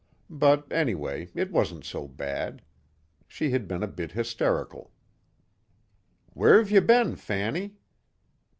But anyway, it wasn't so bad. She had been a bit hysterical. "Where've you been, Fanny?"